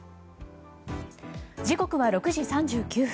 時刻は６時３９分。